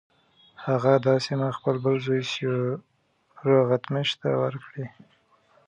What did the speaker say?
هغه دا سیمې خپل بل زوی سیورغتمش ته ورکړې.